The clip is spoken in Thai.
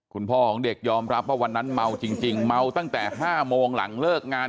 คุณพ่อของเด็กยอมรับว่าวันนั้นเมาจริงเมาตั้งแต่๕โมงหลังเลิกงาน